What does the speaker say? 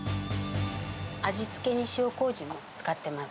味付けに塩こうじを使ってます。